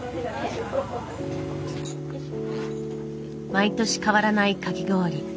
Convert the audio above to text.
毎年変わらないかき氷。